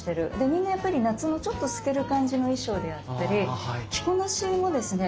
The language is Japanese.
みんなやっぱり夏のちょっと透ける感じの衣装であったり着こなしもですね